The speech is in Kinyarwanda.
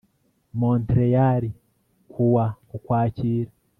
Montreal kuwa ukwakira